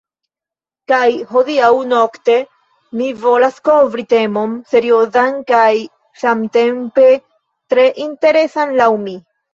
Kaj hodiaŭ nokte mi volas kovri temon seriozan kaj samtempe tre interesan laŭ mi.